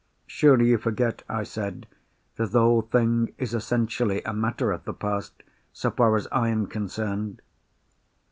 "Surely you forget," I said, "that the whole thing is essentially a matter of the past—so far as I am concerned?"